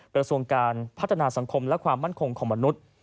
กระทรวงการพัฒนาสังคมและความมั่นคงของมนุษย์